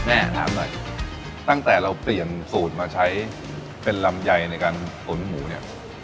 ถามหน่อยตั้งแต่เราเปลี่ยนสูตรมาใช้เป็นลำไยในการตุ๋นหมูเนี่ย